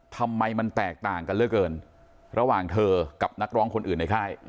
ทำไมมันแตกต่างกันเหลือเกินระหว่างเธอกับนักร้องคนอื่นในค่าย